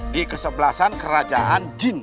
di kesebelasan kerajaan jun